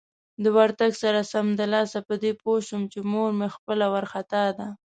د ورتګ سره سمدلاسه په دې پوه شوم چې مور مې خپله وارخطا ده.